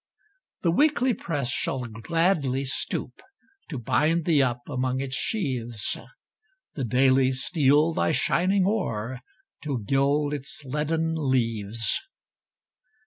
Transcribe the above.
The Weekly press shall gladly stoop To bind thee up among its sheaves; The Daily steal thy shining ore, To gild its leaden leaves.